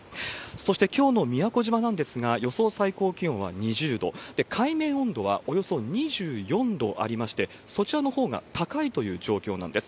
そしてきょうの宮古島なんですが、予想最高気温は２０度、海面温度はおよそ２４度ありまして、そちらのほうが高いという状況なんです。